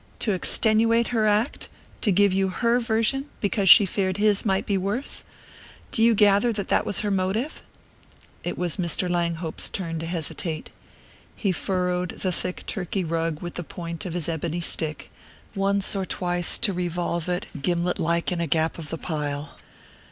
To extenuate her act to give you her version, because she feared his might be worse? Do you gather that that was her motive?" It was Mr. Langhope's turn to hesitate. He furrowed the thick Turkey rug with the point of his ebony stick, pausing once or twice to revolve it gimlet like in a gap of the pile.